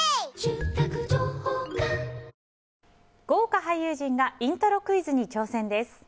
豪華俳優陣がイントロクイズに挑戦です。